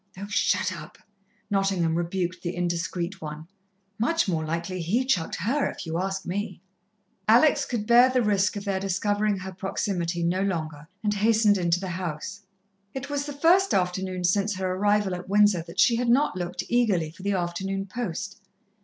"Oh, shut up," Nottingham rebuked the indiscreet one. "Much more likely he chucked her, if you ask me." Alex could bear the risk of their discovering her proximity no longer, and hastened into the house. It was the first afternoon since her arrival at Windsor that she had not looked eagerly for the afternoon post.